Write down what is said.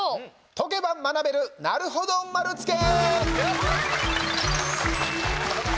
解けば学べる「なるほど丸つけ」！